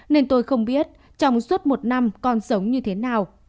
nên tôi không biết trong suốt một năm con sống như thế nào